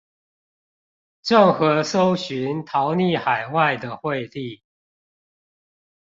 鄭和搜尋逃匿海外的惠帝